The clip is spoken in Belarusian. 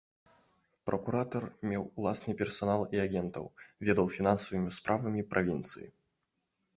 Пракуратар меў уласны персанал і агентаў, ведаў фінансавымі справамі правінцыі.